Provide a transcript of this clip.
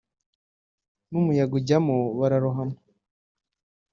n’umuyaga ujyamo bararohama